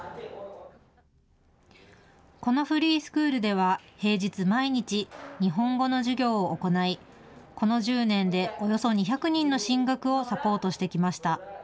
このフリースクールでは平日毎日、日本語の授業を行いこの１０年でおよそ２００人の進学をサポートしてきました。